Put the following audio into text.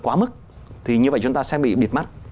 quá mức thì như vậy chúng ta sẽ bị bịt mắt